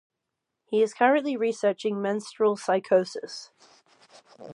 He is currently researching Menstrual Psychosis.